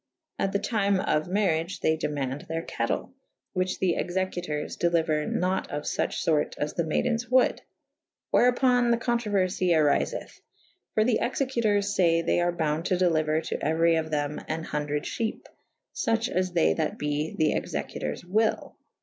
At the tyme of maryage they demaunde theyr cattell / whiche the executours deliuer nat of fuche fort as the maydens wold / wherupon the co«trouerfy arifeth. For the executours fay they are bounde to delyuer to euery of them an hundred fhepe / fuche as they that be the executours wyll.